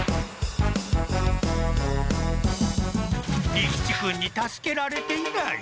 利吉君に助けられていらい。